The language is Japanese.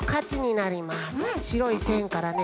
しろいせんからね